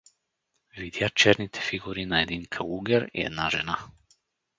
Видя черните фигури на един калугер и една жена.